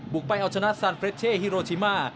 ไปเอาชนะซานเฟรชเช่ฮิโรชิมา